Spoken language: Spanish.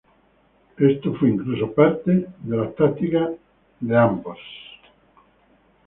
Esto fue incluso parte de la táctica de ambas partes.